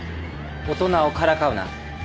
大人をからかうな。